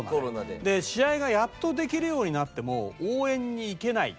で試合がやっとできるようになっても応援に行けない。